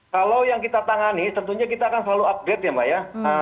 kalau yang kita tangani tentunya kita akan selalu update ya mbak ya